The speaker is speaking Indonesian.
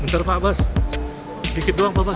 bentar pak bas sedikit doang pak bas